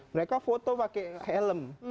mereka foto pakai helm